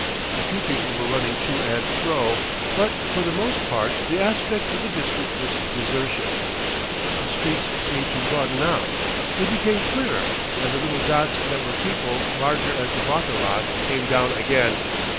A few people were running to and fro, but for the most part the aspect of the district was desertion. The streets seemed to broaden out, they became clearer, and the little dots that were people larger as the Vaterland came down again.